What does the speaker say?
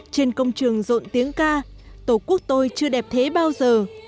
trên công trường rộn tiếng ca tổ quốc tôi chưa đẹp thế bao giờ